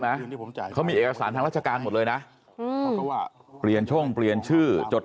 มั้ยเขามีเอกสารทางราชการหมดเลยนะเปลี่ยนช่วงเปลี่ยนชื่อจด